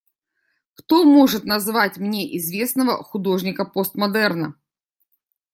Кто может назвать мне известного художника постмодерна?